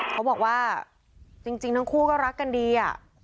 เขาบอกว่าจริงทั้งคู่ก็รักกันดี